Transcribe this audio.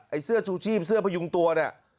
ไอ้เสื้อชูชีพเสื้อพระยุงตัวนี่